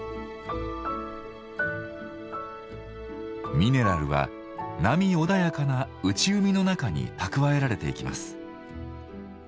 ミネラルは波穏やかな内海の中に蓄えられていきます。